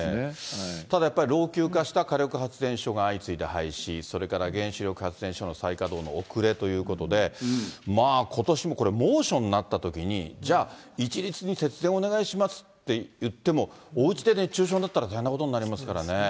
ただやっぱり、老朽化した火力発電所が相次いで廃止、それから原子力発電所の再稼働の遅れということで、ことしもこれ、猛暑になったときに、じゃあ、一律に節電をお願いしますっていっても、おうちで熱中症になったら、大変なことになりますからね。